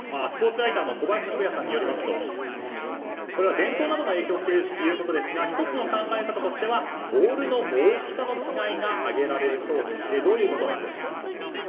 スポーツライターの小林信也さんによりますとこれは伝統なども影響しているということですが１つの考え方としてはボールの大きさの違いが挙げられるそうでしてどういうことなんでしょうか。